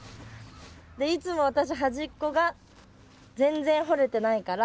でいつも私端っこが全然掘れてないから。